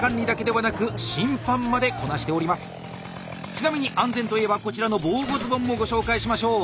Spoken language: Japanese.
ちなみに安全といえばこちらの防護ズボンもご紹介しましょう。